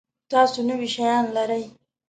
تاسو نوي شیان لرئ؟